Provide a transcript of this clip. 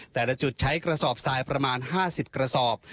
แต่ละจุดใช้กระสอบทรายประมาณ๕๐กระสอบ